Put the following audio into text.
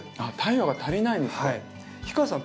あっ太陽が足りないんですか。